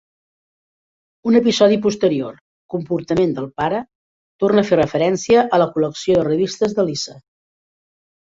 Un episodi posterior, "Comportament del pare", torna a fer referència a la col·lecció de revistes de Lisa.